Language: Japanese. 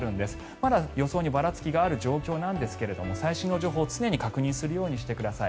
まだ予想にばらつきがある状況なんですが最新の情報を常に確認するようにしてください。